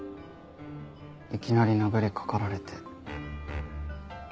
いきなり殴りかかられて。